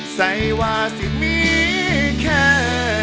ใส่ว่าสิมีแค่